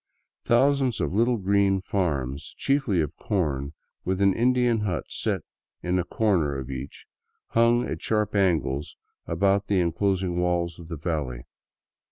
Thousands of little green farms, chiefly of corn, with an Indian hut set in a corner of each, hung at sharp angles about the enclosing walls of the valley.